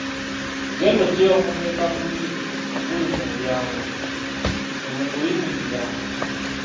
Genda oggyewo omukeeka guli oguli mu mulyango temugulinnyirira.